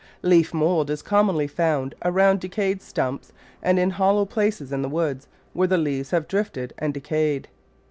Leaf mould is commonly found around de cayed stumps and in hollow places in the woods, where the leaves have drifted and decayed.